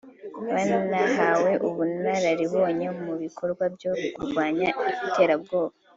Banahawe ubunararibonye mu bikorwa byo kurwanya iterabwoba